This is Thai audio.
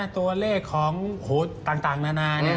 ตัวเลขของต่างนานา